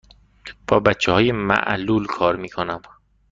با بچه های معلول کار می کنم.